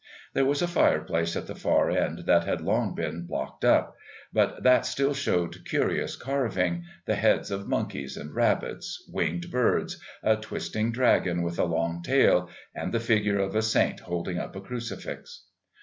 There was a fireplace at the far end that had long been blocked up, but that still showed curious carving, the heads of monkeys and rabbits, winged birds, a twisting dragon with a long tail, and the figure of a saint holding up a crucifix.